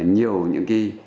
nhiều những cái